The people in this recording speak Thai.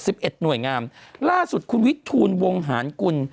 เอ็ดหน่วยงามล่าสุดคุณวิทูลวงหารกุล